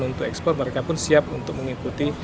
untuk ekspor mereka pun siap untuk mengikuti